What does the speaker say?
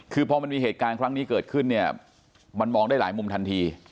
คือพอมันมีเหตุการณ์ครั้งนี้เกิดขึ้นเนี่ยมันมองได้หลายมุมทันที